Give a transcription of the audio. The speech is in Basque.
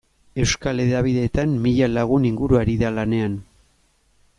Euskal hedabideetan mila lagun inguru ari da lanean.